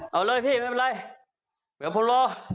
เอาเลยพี่ไม่เป็นไรเดี๋ยวผมรอ